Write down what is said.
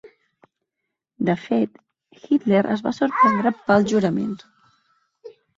De fet, Hitler es va sorprendre pel jurament.